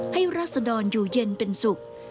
ให้รัสดรอยู่เย็นเป็นสุข